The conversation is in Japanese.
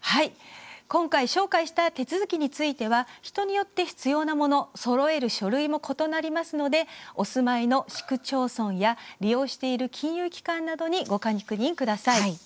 今回、紹介した手続きについては、人によって必要なものそろえる書類も異なりますのでお住まいの市区町村や利用している金融機関などにご確認ください。